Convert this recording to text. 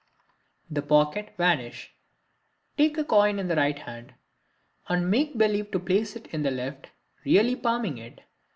The Pocket Vanish.—Take a coin in the right hand and make believe to place it in the left, really palming it.